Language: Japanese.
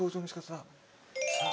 さあ。